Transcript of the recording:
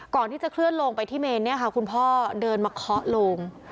ก่อนที่จะเคลื่อนลงไปที่เมนเนี่ยค่ะคุณพ่อเดินมาเคาะโลง